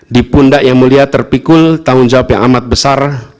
di pundak yang mulia terpikul tanggung jawab yang amat besar